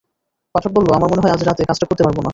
পাঠক বলল, আমার মনে হয় আজ রাতে কাজটা করতে পারব না।